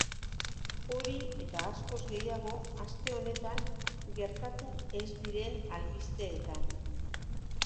Hori eta askoz gehiago aste honetan gertatu ez diren albisteetan!